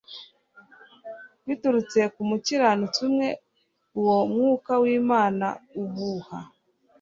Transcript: Biturutse ku mukiranutsi umwe uwo umwuka w'Imana uhuha